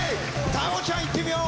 太鳳ちゃんいってみよう！